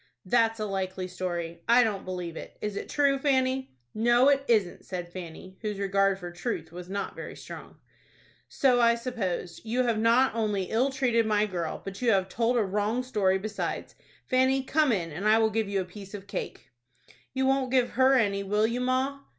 "That's a likely story. I don't believe it. Is it true, Fanny?" "No, it isn't," said Fanny, whose regard for truth was not very strong. "So I supposed. You have not only ill treated my girl, but you have told a wrong story besides. Fanny, come in, and I will give you a piece of cake." "You won't give her any, will you, ma?"